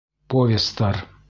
Повестар